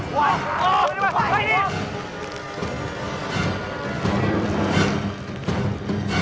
ใช่พ่อติดต่อพ่อแม่อาจได้เนี่ย